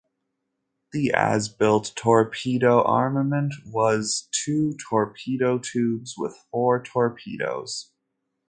The as-built torpedo armament was two torpedo tubes with four torpedoes.